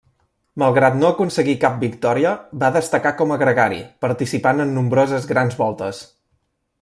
Malgrat no aconseguir cap victòria, va destacar com a gregari, participant en nombroses Grans Voltes.